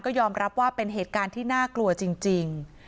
ก็ยอมรับว่าเป็นเหตุการณ์ที่น่ากลัวจริง